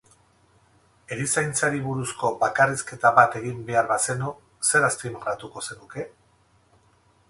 Erizaintzari buruzko bakarrizketa bat egin behar bazenu, zer azpimarratuko zenuke?